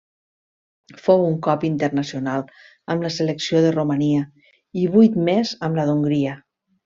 Fou un cop internacional amb la selecció de Romania i vuit més amb la d'Hongria.